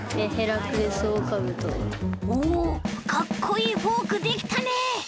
おおかっこいいフォークできたね！